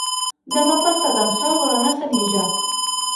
Demà passat en Sol vol anar a Senija.